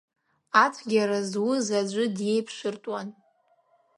Ацәгьара зуз аӡәы диеиԥшыртәуан.